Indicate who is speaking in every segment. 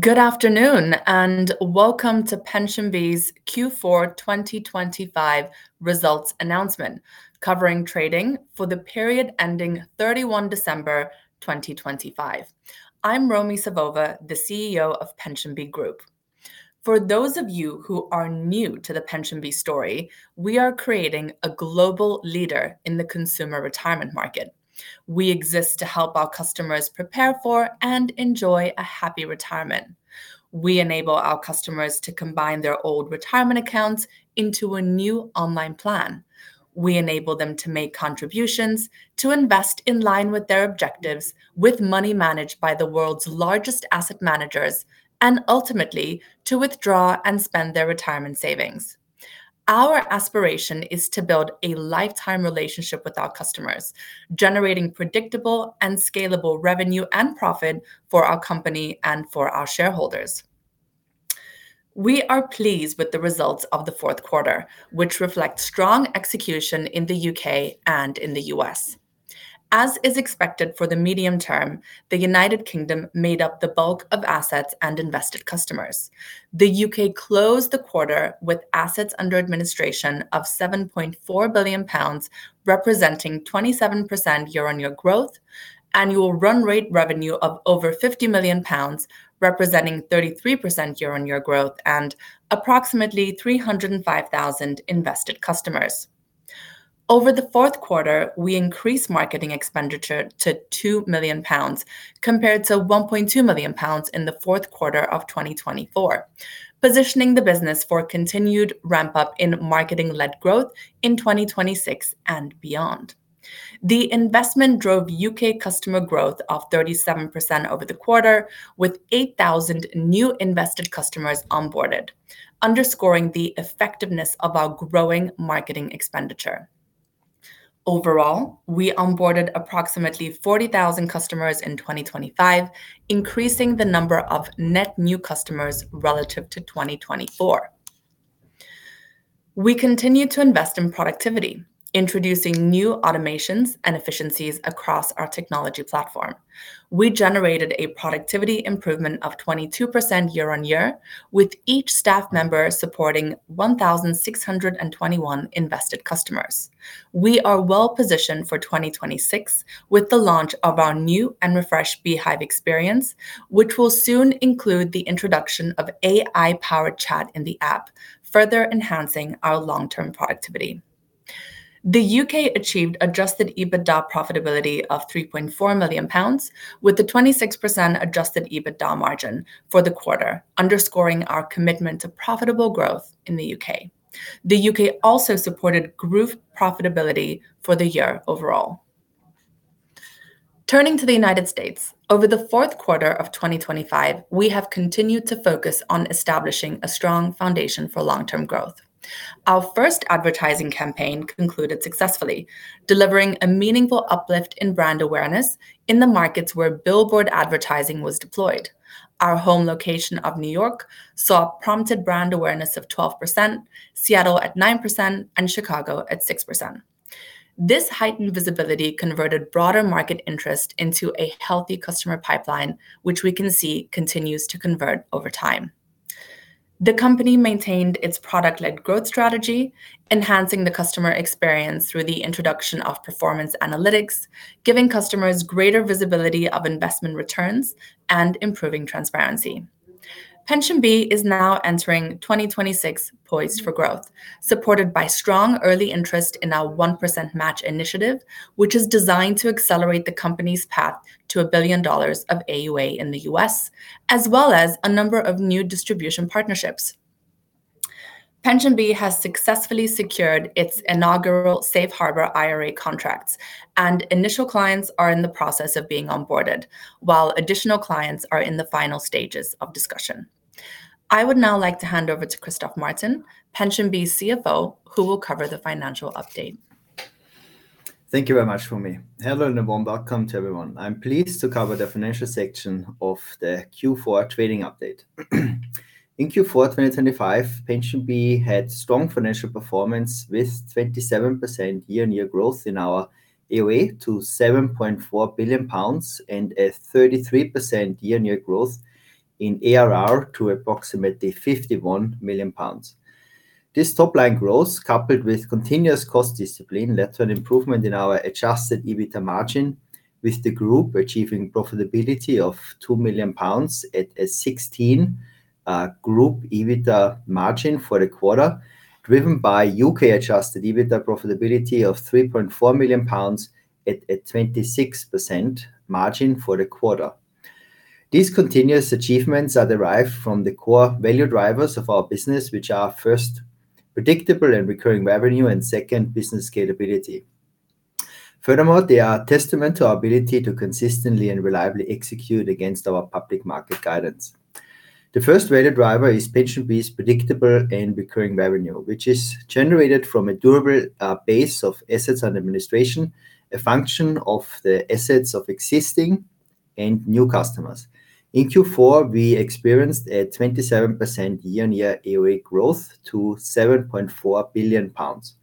Speaker 1: Good afternoon and welcome to PensionBee's Q4 2025 results announcement, covering trading for the period ending 31 December 2025. I'm Romi Savova, the CEO of PensionBee Group. For those of you who are new to the PensionBee story, we are creating a global leader in the consumer retirement market. We exist to help our customers prepare for and enjoy a happy retirement. We enable our customers to combine their old retirement accounts into a new online plan. We enable them to make contributions, to invest in line with their objectives with money managed by the world's largest asset managers, and ultimately to withdraw and spend their retirement savings. Our aspiration is to build a lifetime relationship with our customers, generating predictable and scalable revenue and profit for our company and for our shareholders. We are pleased with the results of the fourth quarter, which reflect strong execution in the U.K. and in the U.S. As is expected for the medium term, the United Kingdom made up the bulk of assets and invested customers. The U.K. closed the quarter with assets under administration of 7.4 billion pounds, representing 27% year-on-year growth, annual run rate revenue of over 50 million pounds, representing 33% year-on-year growth, and approximately 305,000 invested customers. Over the fourth quarter, we increased marketing expenditure to 2 million pounds compared to 1.2 million pounds in the fourth quarter of 2024, positioning the business for continued ramp-up in marketing-led growth in 2026 and beyond. The investment drove U.K. customer growth of 37% over the quarter, with 8,000 new invested customers onboarded, underscoring the effectiveness of our growing marketing expenditure. Overall, we onboarded approximately 40,000 customers in 2025, increasing the number of net new customers relative to 2024. We continue to invest in productivity, introducing new automations and efficiencies across our technology platform. We generated a productivity improvement of 22% year-on-year, with each staff member supporting 1,621 invested customers. We are well positioned for 2026 with the launch of our new and refreshed BeeHive experience, which will soon include the introduction of AI-powered chat in the app, further enhancing our long-term productivity. The U.K. achieved Adjusted EBITDA profitability of 3.4 million pounds, with a 26% Adjusted EBITDA margin for the quarter, underscoring our commitment to profitable growth in the U.K. The U.K. also supported growth profitability for the year overall. Turning to the United States, over the fourth quarter of 2025, we have continued to focus on establishing a strong foundation for long-term growth. Our first advertising campaign concluded successfully, delivering a meaningful uplift in brand awareness in the markets where billboard advertising was deployed. Our home location of New York saw prompted brand awareness of 12%, Seattle at 9%, and Chicago at 6%. This heightened visibility converted broader market interest into a healthy customer pipeline, which we can see continues to convert over time. The company maintained its product-led growth strategy, enhancing the customer experience through the introduction of performance analytics, giving customers greater visibility of investment returns and improving transparency. PensionBee is now entering 2026 poised for growth, supported by strong early interest in our 1% Match initiative, which is designed to accelerate the company's path to $1 billion of AUA in the U.S., as well as a number of new distribution partnerships. PensionBee has successfully secured its inaugural Safe Harbor IRA contracts, and initial clients are in the process of being onboarded, while additional clients are in the final stages of discussion. I would now like to hand over to Christoph Martin, PensionBee CFO, who will cover the financial update.
Speaker 2: Thank you very much, Romi. Hello, and a warm welcome to everyone. I'm pleased to cover the financial section of the Q4 trading update. In Q4 2025, PensionBee had strong financial performance with 27% year-on-year growth in our AUA to 7.4 billion pounds and a 33% year-on-year growth in ARR to approximately 51 million pounds. This top-line growth, coupled with continuous cost discipline, led to an improvement in our Adjusted EBITDA margin, with the group achieving profitability of 2 million pounds at a 16% group EBITDA margin for the quarter, driven by U.K. Adjusted EBITDA profitability of 3.4 million pounds at a 26% margin for the quarter. These continuous achievements are derived from the core value drivers of our business, which are first, predictable and recurring revenue, and second, business scalability. Furthermore, they are a testament to our ability to consistently and reliably execute against our public market guidance. The first value driver is PensionBee's predictable and recurring revenue, which is generated from a durable base of assets and administration, a function of the assets of existing and new customers. In Q4, we experienced a 27% year-on-year AUA growth to 7.4 billion pounds.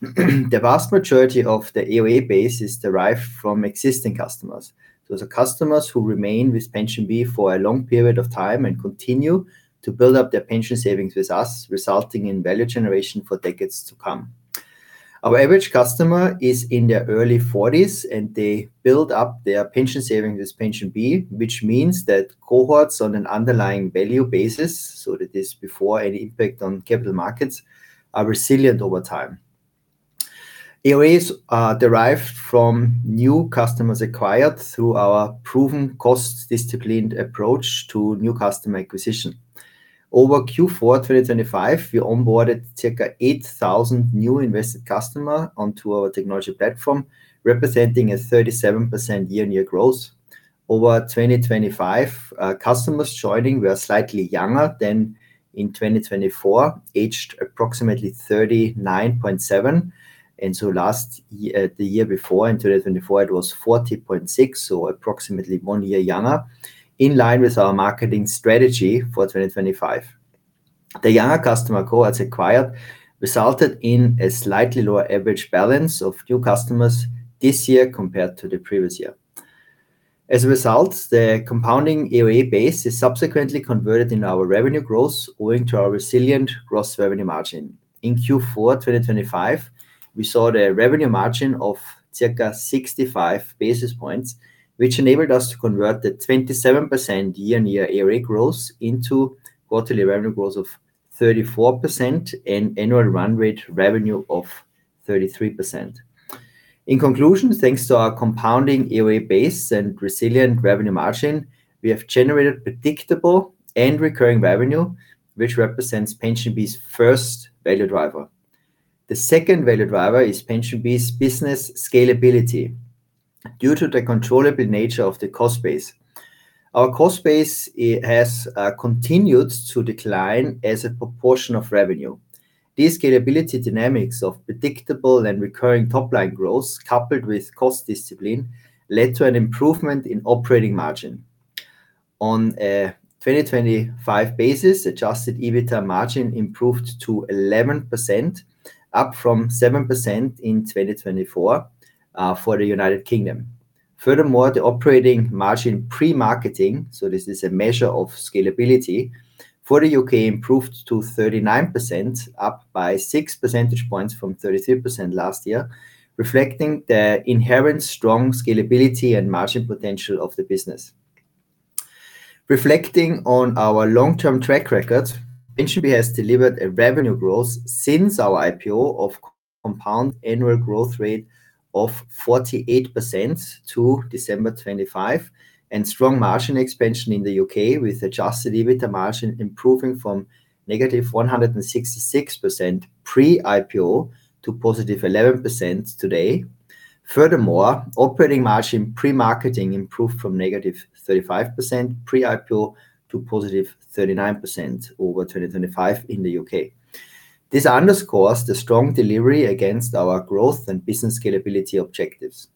Speaker 2: The vast majority of the AUA base is derived from existing customers. Those are customers who remain with PensionBee for a long period of time and continue to build up their pension savings with us, resulting in value generation for decades to come. Our average customer is in their early 40s, and they build up their pension savings with PensionBee, which means that cohorts on an underlying value basis, so that is before any impact on capital markets, are resilient over time. AUAs are derived from new customers acquired through our proven cost-disciplined approach to new customer acquisition. Over Q4 2025, we onboarded circa 8,000 new invested customers onto our technology platform, representing a 37% year-on-year growth. Over 2025, customers joining were slightly younger than in 2024, aged approximately 39.7, and so last the year before, in 2024, it was 40.6, so approximately one year younger, in line with our marketing strategy for 2025. The younger customer cohorts acquired resulted in a slightly lower average balance of new customers this year compared to the previous year. As a result, the compounding AUA base is subsequently converted into our revenue growth, owing to our resilient gross revenue margin. In Q4 2025, we saw a revenue margin of circa 65 basis points, which enabled us to convert the 27% year-on-year AUA growth into quarterly revenue growth of 34% and annual run rate revenue of 33%. In conclusion, thanks to our compounding AUA base and resilient revenue margin, we have generated predictable and recurring revenue, which represents PensionBee's first value driver. The second value driver is PensionBee's business scalability due to the controllable nature of the cost base. Our cost base has continued to decline as a proportion of revenue. These scalability dynamics of predictable and recurring top-line growth, coupled with cost discipline, led to an improvement in operating margin. On a 2025 basis, Adjusted EBITDA margin improved to 11%, up from 7% in 2024 for the United Kingdom. Furthermore, the operating margin pre-marketing, so this is a measure of scalability for the U.K., improved to 39%, up by 6 percentage points from 33% last year, reflecting the inherent strong scalability and margin potential of the business. Reflecting on our long-term track record, PensionBee has delivered a revenue growth since our IPO of compound annual growth rate of 48% to December 2025 and strong margin expansion in the U.K., with Adjusted EBITDA margin improving from -166% pre-IPO to +11% today. Furthermore, operating margin pre-marketing improved from -35% pre-IPO to +39% over 2025 in the U.K. This underscores the strong delivery against our growth and business scalability objectives.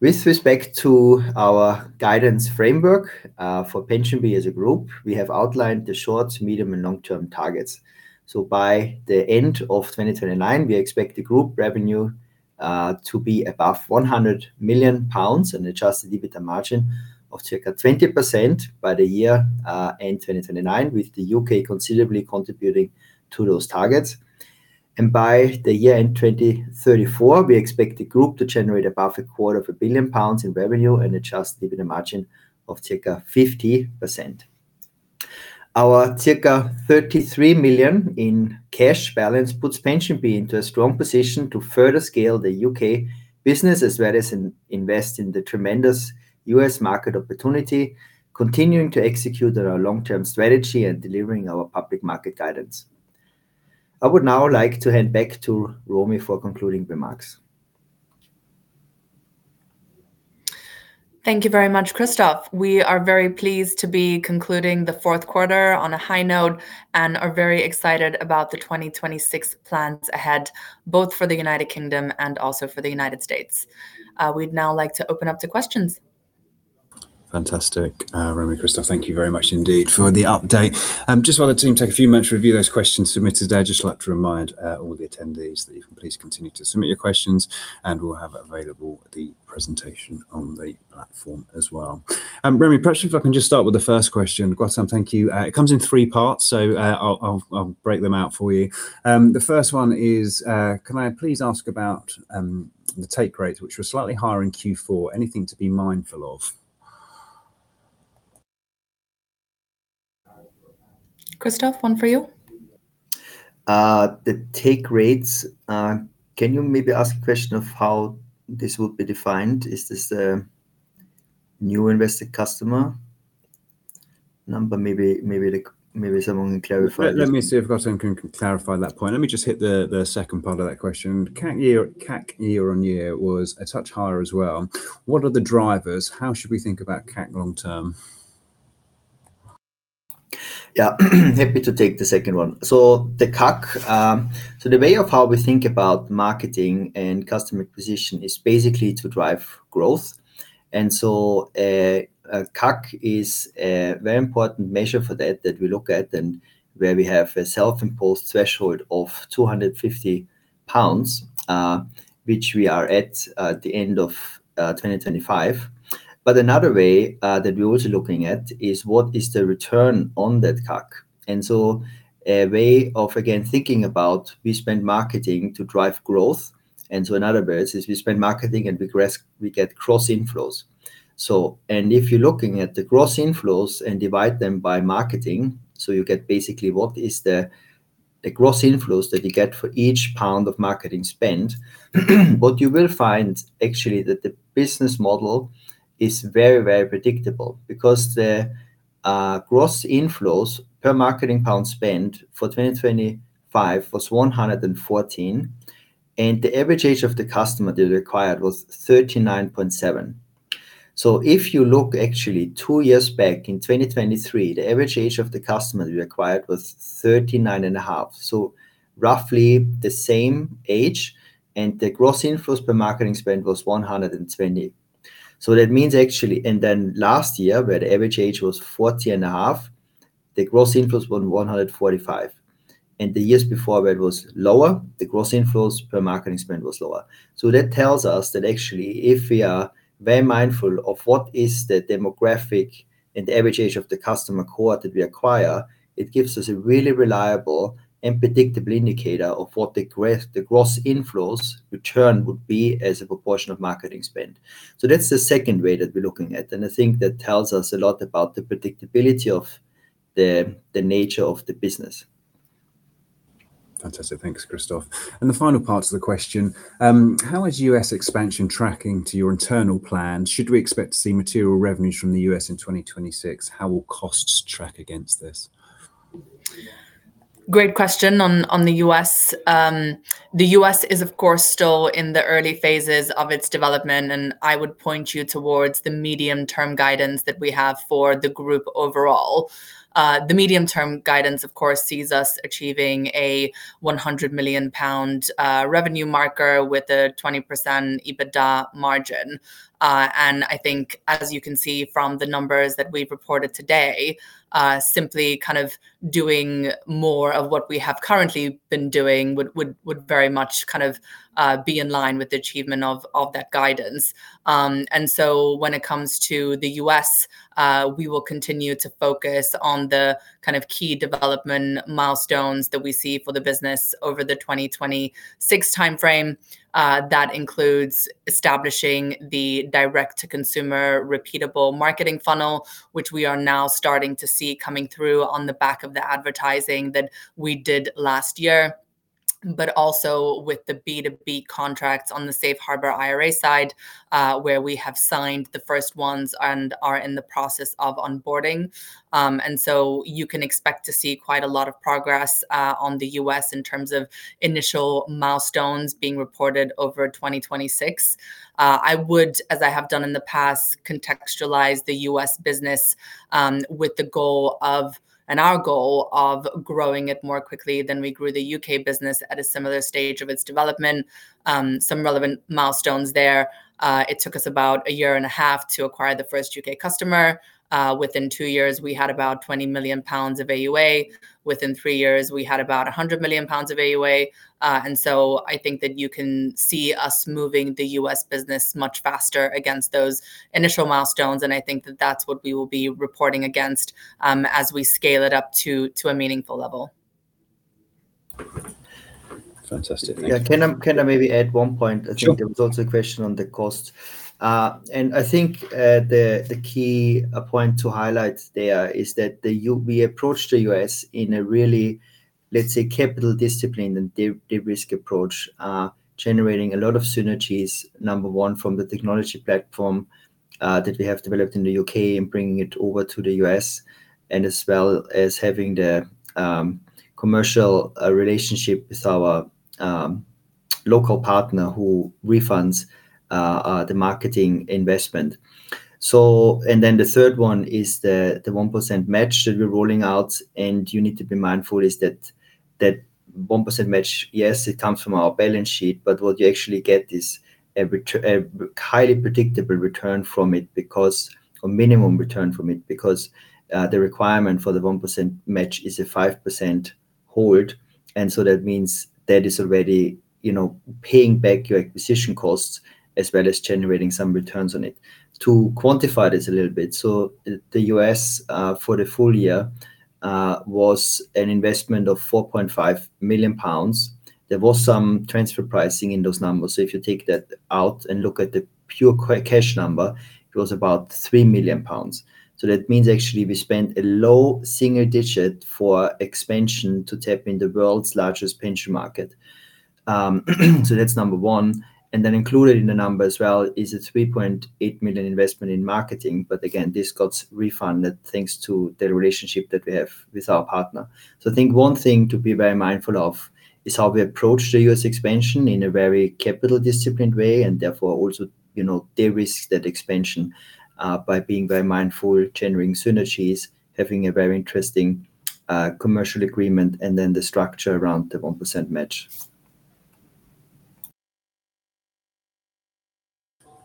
Speaker 2: With respect to our guidance framework for PensionBee as a group, we have outlined the short, medium, and long-term targets. So by the end of 2029, we expect the group revenue to be above 100 million pounds and Adjusted EBITDA margin of circa 20% by the year end 2029, with the U.K. considerably contributing to those targets. By the year end 2034, we expect the group to generate above 250 million pounds in revenue and an Adjusted EBITDA margin of circa 50%. Our circa 33 million in cash balance puts PensionBee into a strong position to further scale the U.K. business as well as invest in the tremendous U.S. market opportunity, continuing to execute on our long-term strategy and delivering our public market guidance. I would now like to hand back to Romi for concluding remarks.
Speaker 1: Thank you very much, Christoph. We are very pleased to be concluding the fourth quarter on a high note and are very excited about the 2026 plans ahead, both for the United Kingdom and also for the United States. We'd now like to open up to questions.
Speaker 3: Fantastic. Romi, Christoph, thank you very much indeed for the update. Just while the team take a few minutes to review those questions submitted there, I'd just like to remind all the attendees that you can please continue to submit your questions, and we'll have available the presentation on the platform as well. Romi, perhaps if I can just start with the first question. Gautam, thank you. It comes in three parts, so I'll break them out for you. The first one is, can I please ask about the take rates, which were slightly higher in Q4? Anything to be mindful of?
Speaker 1: Christoph, one for you.
Speaker 2: The take rates, can you maybe ask a question of how this would be defined? Is this a new invested customer number? Maybe someone can clarify.
Speaker 3: Let me see if Gautam can clarify that point. Let me just hit the second part of that question. CAC year-on-year was a touch higher as well. What are the drivers? How should we think about CAC long-term?
Speaker 2: Yeah, happy to take the second one, so the CAC, so the way of how we think about marketing and customer acquisition is basically to drive growth, and so CAC is a very important measure for that that we look at and where we have a self-imposed threshold of 250 pounds, which we are at at the end of 2025, but another way that we're also looking at is what is the return on that CAC? And so a way of, again, thinking about we spend marketing to drive growth, and so in other words, is we spend marketing and we get gross inflows. If you're looking at the gross inflows and divide them by marketing, so you get basically what is the gross inflows that you get for each pound of marketing spend. What you will find actually that the business model is very, very predictable because the gross inflows per marketing pound spend for 2025 was 114, and the average age of the customer that they acquired was 39.7. If you look actually two years back in 2023, the average age of the customer that they acquired was 39.5, so roughly the same age, and the gross inflows per marketing spend was 120. That means actually, and then last year, where the average age was 40.5, the gross inflows were 145. The years before where it was lower, the gross inflows per marketing spend was lower. So that tells us that actually if we are very mindful of what is the demographic and the average age of the customer cohort that we acquire, it gives us a really reliable and predictable indicator of what the gross inflows return would be as a proportion of marketing spend. So that's the second way that we're looking at, and I think that tells us a lot about the predictability of the nature of the business.
Speaker 3: Fantastic. Thanks, Christoph. And the final part of the question, how is U.S. expansion tracking to your internal plan? Should we expect to see material revenues from the U.S. in 2026? How will costs track against this?
Speaker 1: Great question on the U.S. The U.S. is, of course, still in the early phases of its development, and I would point you towards the medium-term guidance that we have for the group overall. The medium-term guidance, of course, sees us achieving a 100 million pound revenue marker with a 20% EBITDA margin, and I think, as you can see from the numbers that we've reported today, simply kind of doing more of what we have currently been doing would very much kind of be in line with the achievement of that guidance, and so when it comes to the U.S., we will continue to focus on the kind of key development milestones that we see for the business over the 2026 timeframe. That includes establishing the direct-to-consumer repeatable marketing funnel, which we are now starting to see coming through on the back of the advertising that we did last year, but also with the B2B contracts on the Safe Harbor IRA side, where we have signed the first ones and are in the process of onboarding. And so you can expect to see quite a lot of progress on the U.S. in terms of initial milestones being reported over 2026. I would, as I have done in the past, contextualize the U.S. business with the goal of, and our goal of, growing it more quickly than we grew the U.K. business at a similar stage of its development. Some relevant milestones there. It took us about a year and a half to acquire the first U.K. customer. Within two years, we had about 20 million pounds of AUA. Within three years, we had about 100 million pounds of AUA. So I think that you can see us moving the U.S. business much faster against those initial milestones. I think that that's what we will be reporting against as we scale it up to a meaningful level.
Speaker 3: Fantastic.
Speaker 2: Yeah, can I maybe add one point? I think there was also a question on the cost. And I think the key point to highlight there is that we approach the U.S. in a really, let's say, capital disciplined and de-risk approach, generating a lot of synergies, number one, from the technology platform that we have developed in the U.K. and bringing it over to the U.S., and as well as having the commercial relationship with our local partner who funds the marketing investment. And then the third one is the 1% Match that we're rolling out. And you need to be mindful is that that 1% Match, yes, it comes from our balance sheet, but what you actually get is a highly predictable return from it because, or minimum return from it, because the requirement for the 1% Match is a 5% hold. And so that means that is already paying back your acquisition costs as well as generating some returns on it. To quantify this a little bit, so the U.S. for the full year was an investment of 4.5 million pounds. There was some transfer pricing in those numbers. So if you take that out and look at the pure cash number, it was about 3 million pounds. So that means actually we spent a low single digit for expansion to tap into the world's largest pension market. So that's number one. And then included in the number as well is a 3.8 million investment in marketing. But again, this got refunded thanks to the relationship that we have with our partner. So I think one thing to be very mindful of is how we approach the U.S. expansion in a very capital-disciplined way and therefore also de-risk that expansion by being very mindful, generating synergies, having a very interesting commercial agreement, and then the structure around the 1% Match.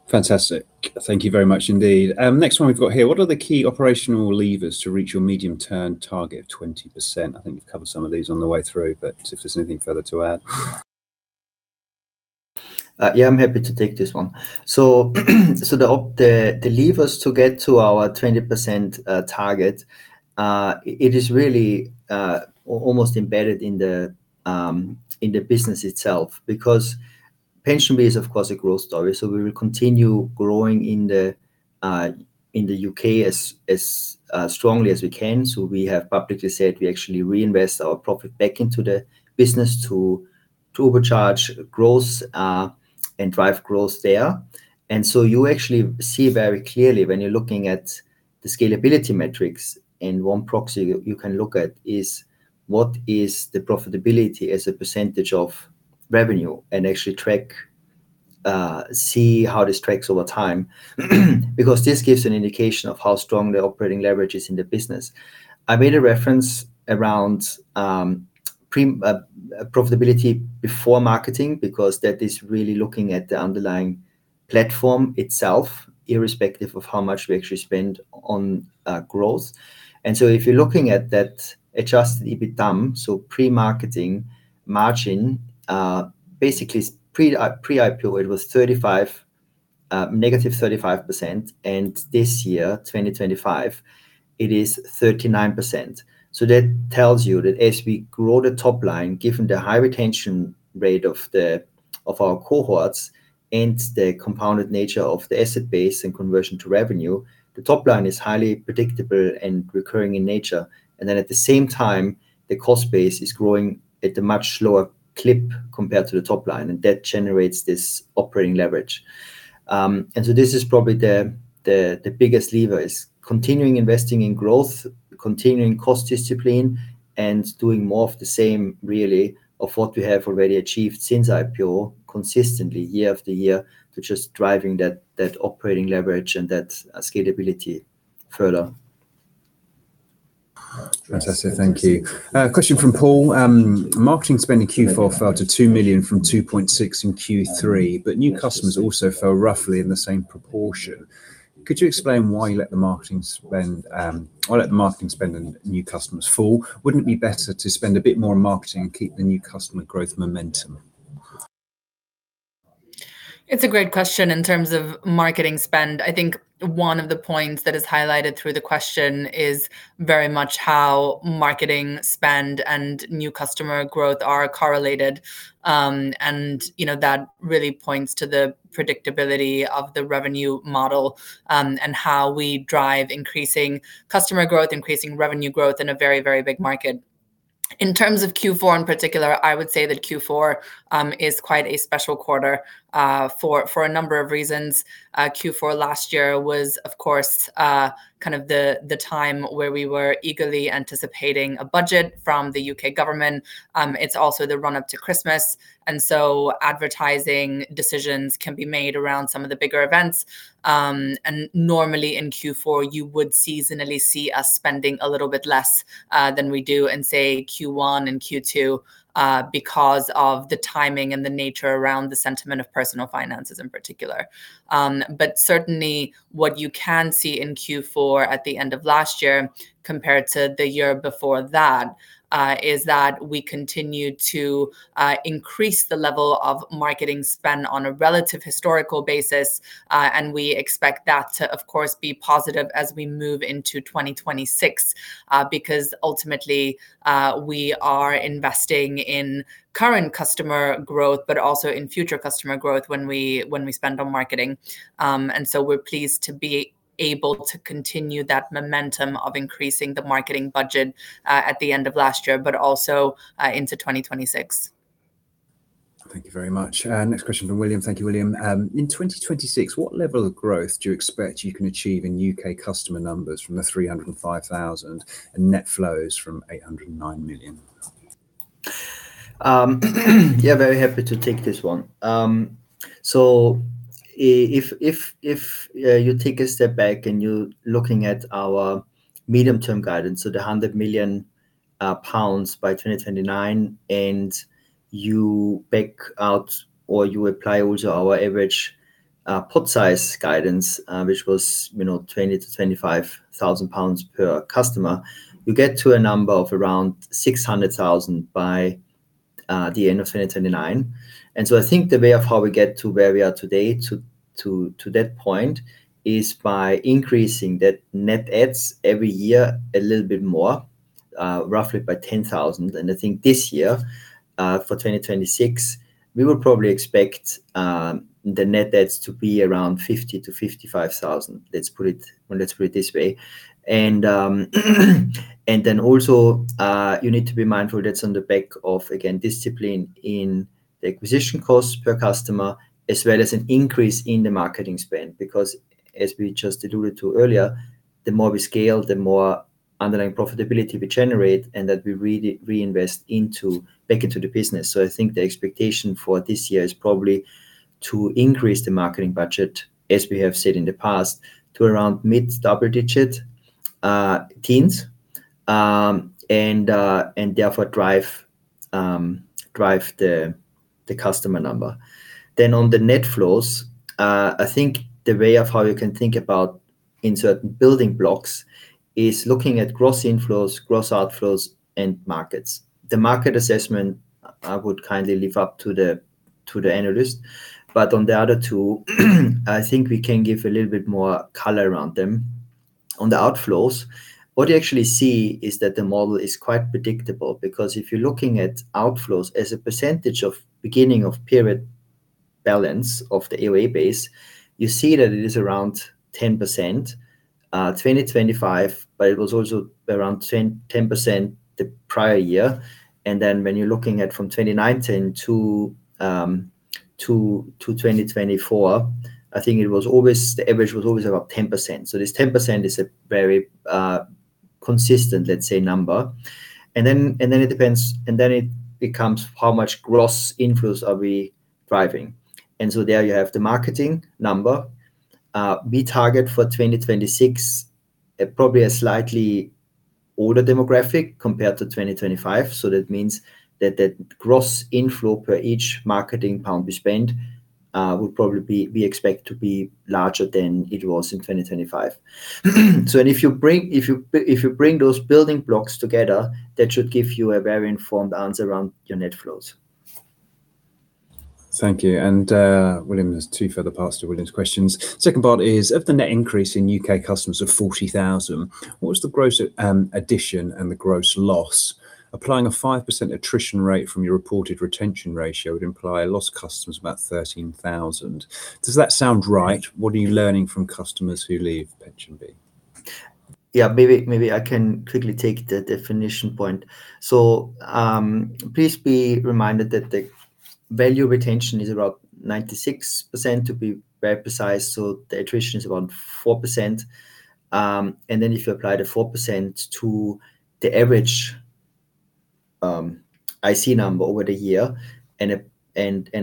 Speaker 3: Fantastic. Thank you very much indeed. Next one we've got here, what are the key operational levers to reach your medium-term target of 20%? I think you've covered some of these on the way through, but if there's anything further to add.
Speaker 2: Yeah, I'm happy to take this one. So the levers to get to our 20% target, it is really almost embedded in the business itself because PensionBee is, of course, a growth story. So we will continue growing in the U.K. as strongly as we can. So we have publicly said we actually reinvest our profit back into the business to accelerate growth and drive growth there. And so you actually see very clearly when you're looking at the scalability metrics and one proxy you can look at is what is the profitability as a percentage of revenue and actually track, see how this tracks over time because this gives an indication of how strong the operating leverage is in the business. I made a reference around profitability before marketing because that is really looking at the underlying platform itself, irrespective of how much we actually spend on growth. If you're looking at that Adjusted EBITDA, so pre-marketing margin, basically pre-IPO, it was -35%. And this year, 2025, it is 39%. So that tells you that as we grow the top line, given the high retention rate of our cohorts and the compounded nature of the asset base and conversion to revenue, the top line is highly predictable and recurring in nature. And then at the same time, the cost base is growing at a much slower clip compared to the top line, and that generates this operating leverage. And so this is probably the biggest lever is continuing investing in growth, continuing cost discipline, and doing more of the same, really, of what we have already achieved since IPO consistently year after year to just driving that operating leverage and that scalability further.
Speaker 3: Fantastic. Thank you. Question from Paul. Marketing spend in Q4 fell to 2 million from 2.6 in Q3, but new customers also fell roughly in the same proportion. Could you explain why you let the marketing spend and new customers fall? Wouldn't it be better to spend a bit more on marketing and keep the new customer growth momentum?
Speaker 1: It's a great question in terms of marketing spend. I think one of the points that is highlighted through the question is very much how marketing spend and new customer growth are correlated. And that really points to the predictability of the revenue model and how we drive increasing customer growth, increasing revenue growth in a very, very big market. In terms of Q4 in particular, I would say that Q4 is quite a special quarter for a number of reasons. Q4 last year was, of course, kind of the time where we were eagerly anticipating a budget from the U.K. government. It's also the run-up to Christmas. And so advertising decisions can be made around some of the bigger events. Normally in Q4, you would seasonally see us spending a little bit less than we do in, say, Q1 and Q2 because of the timing and the nature around the sentiment of personal finances in particular. Certainly what you can see in Q4 at the end of last year compared to the year before that is that we continue to increase the level of marketing spend on a relative historical basis. We expect that to, of course, be positive as we move into 2026 because ultimately we are investing in current customer growth, but also in future customer growth when we spend on marketing. We're pleased to be able to continue that momentum of increasing the marketing budget at the end of last year, but also into 2026.
Speaker 3: Thank you very much. Next question from William. Thank you, William. In 2026, what level of growth do you expect you can achieve in U.K. customer numbers from the 305,000 and net flows from 809 million?
Speaker 2: Yeah, very happy to take this one. So if you take a step back and you're looking at our medium-term guidance, so the 100 million pounds by 2029, and you back out or you apply also our average pot size guidance, which was 20,000-25,000 pounds per customer, you get to a number of around 600,000 by the end of 2029. And so I think the way of how we get to where we are today to that point is by increasing that net edge every year a little bit more, roughly by 10,000. And I think this year for 2026, we will probably expect the net edge to be around 50,000-55,000. Let's put it this way. And then also you need to be mindful that's on the back of, again, discipline in the acquisition costs per customer, as well as an increase in the marketing spend. Because as we just alluded to earlier, the more we scale, the more underlying profitability we generate and that we reinvest back into the business. So I think the expectation for this year is probably to increase the marketing budget, as we have said in the past, to around mid-double digit teens and therefore drive the customer number. Then on the net flows, I think the way of how you can think about in certain building blocks is looking at gross inflows, gross outflows, and markets. The market assessment I would kindly leave up to the analyst, but on the other two, I think we can give a little bit more color around them. On the outflows, what you actually see is that the model is quite predictable because if you're looking at outflows as a percentage of beginning of period balance of the AUA base, you see that it is around 10% in 2025, but it was also around 10% the prior year. And then when you're looking at from 2019 to 2024, I think it was always the average was always about 10%. So this 10% is a very consistent, let's say, number. And then it depends, and then it becomes how much gross inflows are we driving. And so there you have the marketing number. We target for 2026 probably a slightly older demographic compared to 2025. So that means that that gross inflow per each marketing pound we spend would probably be expected to be larger than it was in 2025. So if you bring those building blocks together, that should give you a very informed answer around your net flows.
Speaker 3: Thank you. And William has two further passed to William's questions. Second part is, of the net increase in U.K. customers of 40,000, what was the gross addition and the gross loss? Applying a 5% attrition rate from your reported retention ratio would imply a loss of customers about 13,000. Does that sound right? What are you learning from customers who leave PensionBee?
Speaker 2: Yeah, maybe I can quickly take the definition point. So please be reminded that the value retention is around 96%, to be very precise. So the attrition is around 4%. And then if you apply the 4% to the average IC number over the year and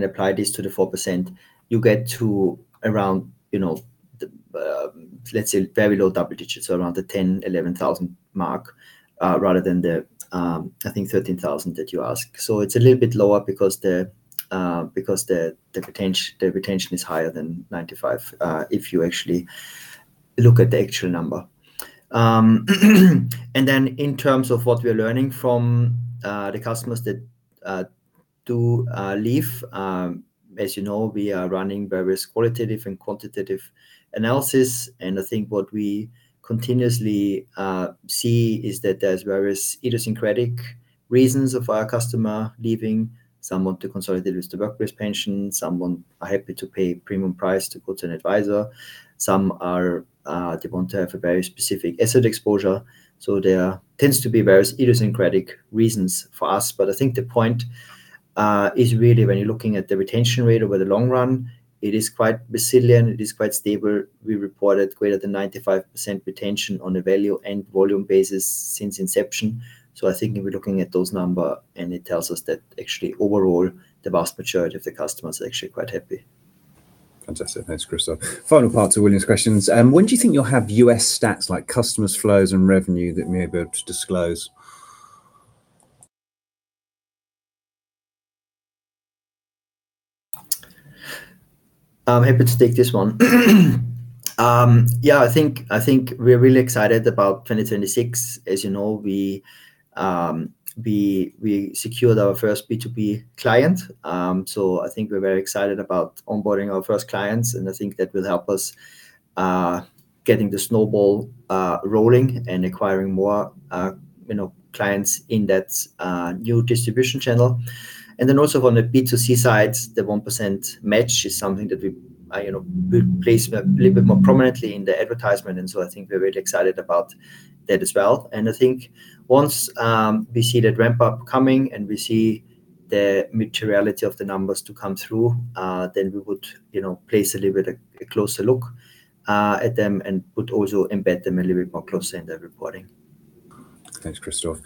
Speaker 2: apply this to the 4%, you get to around, let's say, very low double digits, around the 10,000, 11,000 mark rather than the, I think, 13,000 that you asked. So it's a little bit lower because the retention is higher than 95% if you actually look at the actual number. And then in terms of what we are learning from the customers that do leave, as you know, we are running various qualitative and quantitative analysis. And I think what we continuously see is that there's various idiosyncratic reasons of our customer leaving. Some want to consolidate with the workplace pension. Some are happy to pay a premium price to go to an advisor. Some want to have a very specific asset exposure. So there tends to be various idiosyncratic reasons for us. But I think the point is really when you're looking at the retention rate over the long run, it is quite resilient. It is quite stable. We reported greater than 95% retention on a value and volume basis since inception. So I think if we're looking at those numbers and it tells us that actually overall, the vast majority of the customers are actually quite happy.
Speaker 3: Fantastic. Thanks, Christoph. Final part to William's questions. When do you think you'll have U.S. stats like customers, flows, and revenue that we may be able to disclose?
Speaker 2: I'm happy to take this one. Yeah, I think we're really excited about 2026. As you know, we secured our first B2B client. So I think we're very excited about onboarding our first clients. And I think that will help us getting the snowball rolling and acquiring more clients in that new distribution channel. And then also on the B2C side, the 1% Match is something that we place a little bit more prominently in the advertisement. And so I think we're really excited about that as well. And I think once we see that ramp-up coming and we see the materiality of the numbers to come through, then we would place a little bit of a closer look at them and would also embed them a little bit more closer in the reporting.
Speaker 3: Thanks, Christoph.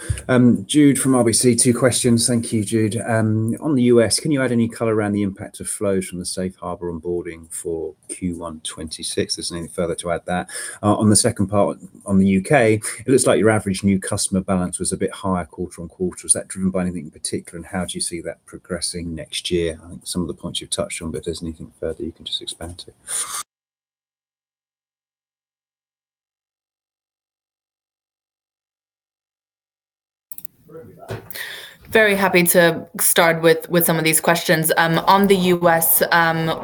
Speaker 3: Jude from RBC, two questions. Thank you, Jude. On the U.S., can you add any color around the impact of flows from the Safe Harbor onboarding for Q1 2026? There's nothing further to add there. On the second part, on the U.K., it looks like your average new customer balance was a bit higher quarter on quarter. Was that driven by anything in particular? And how do you see that progressing next year? I think some of the points you've touched on, but if there's anything further you can just expand to.
Speaker 1: Very happy to start with some of these questions. On the U.S.,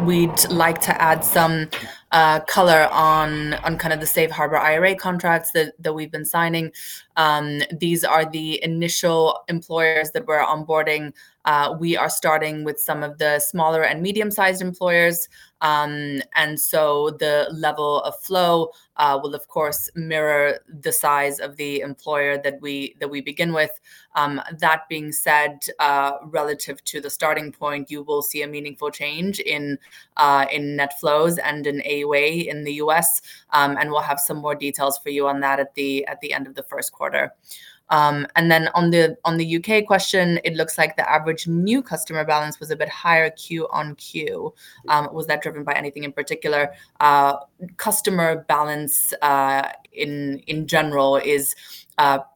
Speaker 1: we'd like to add some color on kind of the Safe Harbor IRA contracts that we've been signing. These are the initial employers that we're onboarding. We are starting with some of the smaller and medium-sized employers. And so the level of flow will, of course, mirror the size of the employer that we begin with. That being said, relative to the starting point, you will see a meaningful change in net flows and in AUA in the U.S. And we'll have some more details for you on that at the end of the first quarter. And then on the U.K. question, it looks like the average new customer balance was a bit higher Q on Q. Was that driven by anything in particular? Customer balance in general is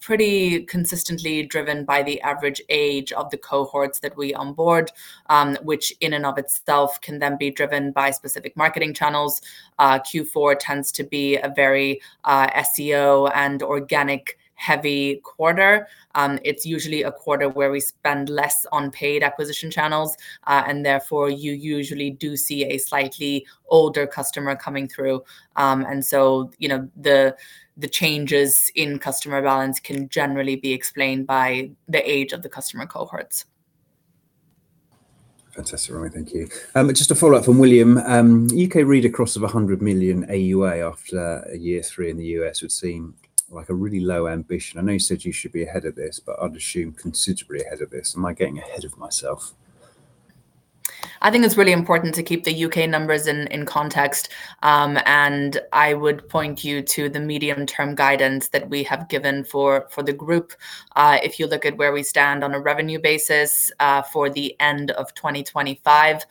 Speaker 1: pretty consistently driven by the average age of the cohorts that we onboard, which in and of itself can then be driven by specific marketing channels. Q4 tends to be a very SEO and organic-heavy quarter. It's usually a quarter where we spend less on paid acquisition channels. And therefore, you usually do see a slightly older customer coming through. And so the changes in customer balance can generally be explained by the age of the customer cohorts.
Speaker 3: Fantastic. Thank you. Just a follow-up from William. U.K. read across of 100 million AUA after year three in the U.S. would seem like a really low ambition. I know you said you should be ahead of this, but I'd assume considerably ahead of this. Am I getting ahead of myself?
Speaker 1: I think it's really important to keep the U.K. numbers in context, and I would point you to the medium-term guidance that we have given for the group. If you look at where we stand on a revenue basis for the end of 2025,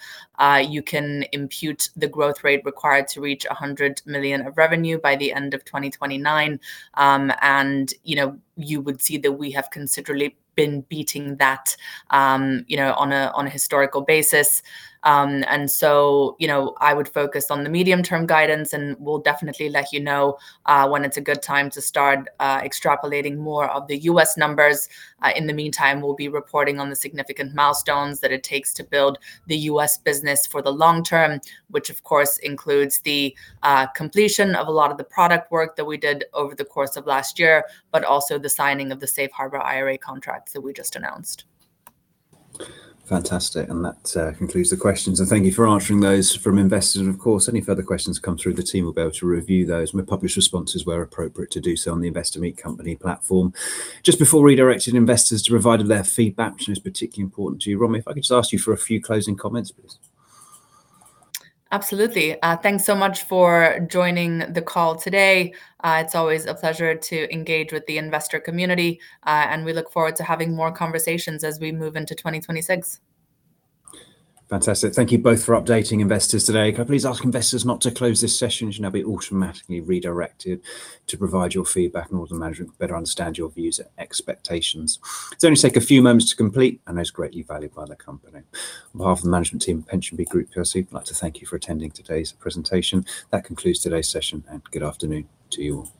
Speaker 1: you can impute the growth rate required to reach 100 million of revenue by the end of 2029, and you would see that we have considerably been beating that on a historical basis. And so I would focus on the medium-term guidance and will definitely let you know when it's a good time to start extrapolating more of the U.S. numbers. In the meantime, we'll be reporting on the significant milestones that it takes to build the U.S. business for the long term, which of course includes the completion of a lot of the product work that we did over the course of last year, but also the signing of the Safe Harbor IRA contract that we just announced.
Speaker 3: Fantastic. And that concludes the questions. And thank you for answering those from investors. And of course, any further questions come through, the team will be able to review those and we'll publish responses where appropriate to do so on the Investor Meet Company platform. Just before redirecting investors to provide their feedback, which is particularly important to you, Romi, if I could just ask you for a few closing comments, please.
Speaker 1: Absolutely. Thanks so much for joining the call today. It's always a pleasure to engage with the investor community. And we look forward to having more conversations as we move into 2026.
Speaker 3: Fantastic. Thank you both for updating investors today. Can I please ask investors not to close this session? It should now be automatically redirected to provide your feedback so that all the management can better understand your views and expectations. It only takes a few moments to complete and is greatly valued by the company. On behalf of the management team and PensionBee Group plc, I'd like to thank you for attending today's presentation. That concludes today's session. Good afternoon to you all.